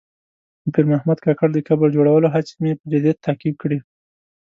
د پیر محمد کاکړ د قبر جوړولو هڅې مې په جدیت تعقیب کړې.